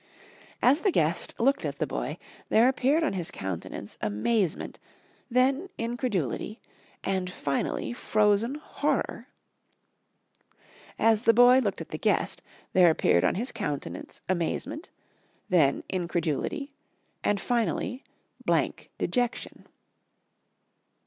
As the guest looked at the boy there appeared on his countenance amazement, then incredulity, and finally frozen horror. As the boy looked at the guest there appeared on his countenance amazement, then incredulity and finally blank dejection.